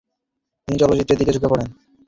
তিনি চলচ্চিত্রের দিকে ঝুঁকে পড়েন।